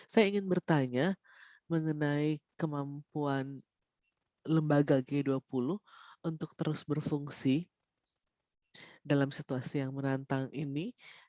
saya ingin bertanya mengenai kemampuan lembaga g dua puluh untuk terus berfungsi dalam situasi yang menantang ini